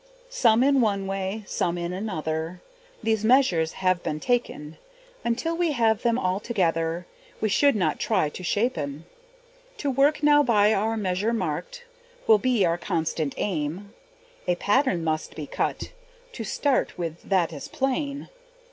Some in one way, some in another, These measures have been taken, Until we have them all together, We should not try to shapen. To work now by our measure marked Will be our constant aim; A pattern must be cut To start with that is plain.